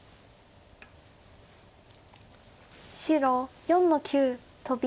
白４の九トビ。